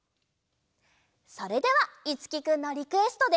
それではいつきくんのリクエストで。